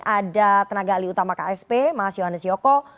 ada tenaga alih utama ksp mas yohanes yoko